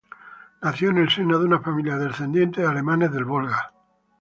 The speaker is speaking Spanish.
Nació en el seno de una familia descendiente de alemanes del Volga.